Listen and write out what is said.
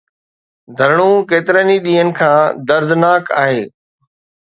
ڌرڻو ڪيترن ئي ڏينهن کان دردناڪ آهي.